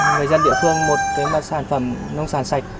người dân địa phương một cái sản phẩm nông sản sạch